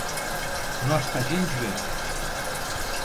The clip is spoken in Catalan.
No està gens bé.